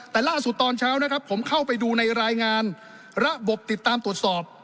แต่ล่าสุดตอนเช้านะครับผมเข้าไปดูในรายงานระบบติดตามตรวจสอบ